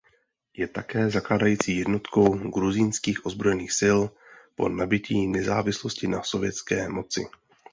Je také zakládající jednotkou gruzínských ozbrojených sil po nabytí nezávislosti na sovětské moci.